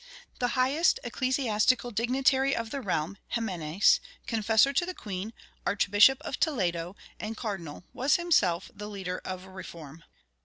The highest ecclesiastical dignitary of the realm, Ximenes, confessor to the queen, Archbishop of Toledo, and cardinal, was himself the leader of reform.